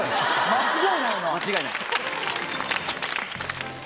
間違いない。